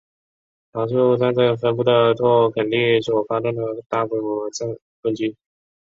桃树战争分布的拓垦地所发动的大规模攻击。